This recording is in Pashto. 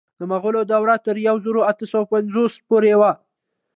د مغولو دوره تر یو زر اته سوه اوه پنځوس پورې وه.